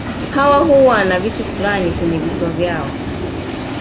Hawa huwa na vitu fulani kwenye vichwa vyao